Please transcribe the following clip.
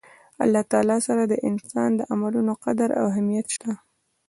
د الله تعالی سره د انسان د عملونو قدر او اهميت شته